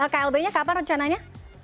klb nya kapan rencananya